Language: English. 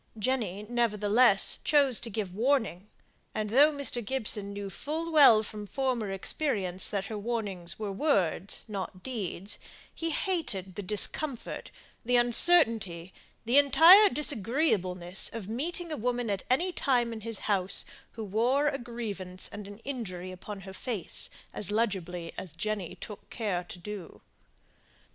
Jenny, nevertheless, chose to give warning; and though Mr. Gibson knew full well from former experience that her warnings were words, not deeds, he hated the discomfort, the uncertainty, the entire disagreeableness of meeting a woman at any time in his house, who wore a grievance and an injury upon her face as legibly as Jenny took care to do.